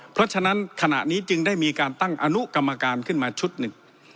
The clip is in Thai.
เพราะฉะนั้นขณะนี้จึงได้มีการตั้งอนุกรรมการขึ้นมาชุดหนึ่ง